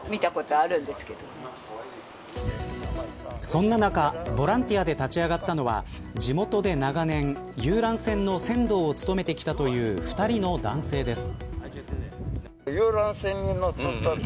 そんな中ボランティアで立ち上がったのは地元で長年、遊覧船の船頭を務めてきたという２人の男性です。